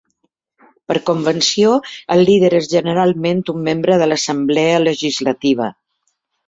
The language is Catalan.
Per convenció, el líder és generalment un membre de l'Assemblea Legislativa.